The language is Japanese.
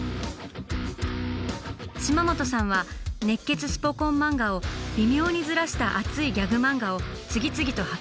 島本さんは熱血スポ根漫画を微妙にずらした熱いギャグ漫画を次々と発表。